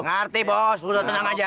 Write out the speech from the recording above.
ngerti bos gitu tenang aja